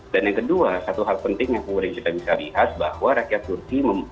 dan yang kedua satu hal penting yang kemudian kita bisa lihat bahwa rakyat turki